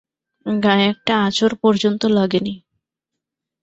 গাঁয়ে একটা আঁচড় পর্যন্ত লাগে নি।